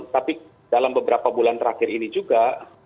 tapi dalam beberapa bulan terakhir ini juga